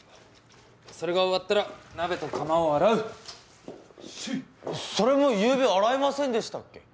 それが終わったら鍋と釜を洗うそれもゆうべ洗いませんでしたっけ？